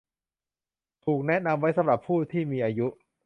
ถูกแนะนำไว้สำหรับผู้ที่มีอายุ